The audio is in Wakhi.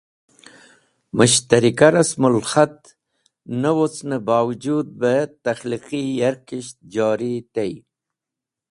Mushtarika Rasmul Khat ne wocne bawujud be takhliqi yarkisht jori tey.